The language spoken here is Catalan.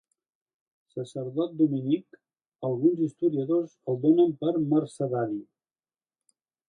Sacerdot dominic, alguns historiadors el donen per mercedari.